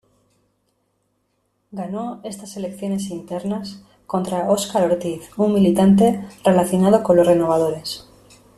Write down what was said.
Ganó estas elecciones internas contra Oscar Ortiz, un militante relacionado con los Renovadores.